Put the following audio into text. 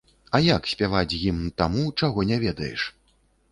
А як спяваць гімн таму, чаго не ведаеш?